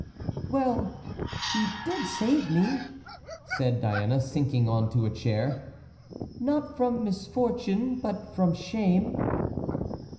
"Well! he did save me," said Diana, sinking on to a chair, "not from misfortune, but from shame."